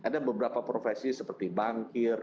ada beberapa profesi seperti bankir